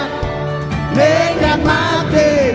kehidupanku yang seperti dulu lagi